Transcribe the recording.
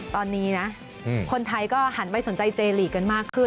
ตอนนี้นะคนไทยก็หันไปสนใจเจลีกกันมากขึ้น